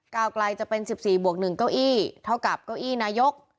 กล่าวกลายจะเป็นสิบสี่บวกหนึ่งเก้าอี้เท่ากับเก้าอี้นายก